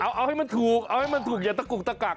เอาให้มันถูกอย่าตะกุกตะกัก